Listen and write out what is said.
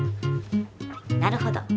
なるほど。